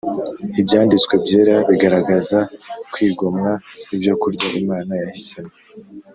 ibyanditswe byera bigaragaza kwigomwa ibyokurya imana yahisemo,